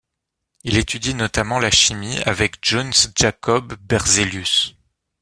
Il étudie notamment la chimie avec Jöns Jakob Berzelius.